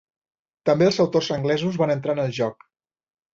També els autors anglesos van entrar en el joc.